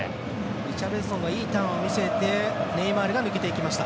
リシャルリソンがいいターンを見せてネイマールが抜けていきました。